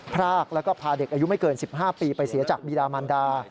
พรากแล้วก็พาเด็กอายุไม่เกิน๑๕ปีไปเสียจากบีดามันดา